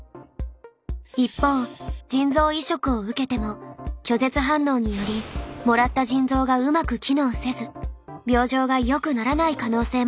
一方腎臓移植を受けても拒絶反応によりもらった腎臓がうまく機能せず病状がよくならない可能性もあるんです。